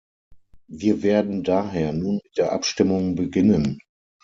Wir werden daher nun mit der Abstimmung beginnen.